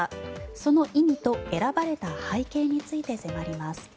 その意味と選ばれた背景について迫ります。